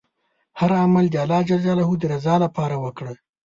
هر عمل د الله ﷻ د رضا لپاره وکړه.